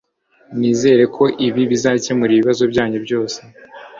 Nizere ko ibi bizakemura ibibazo byanyu byose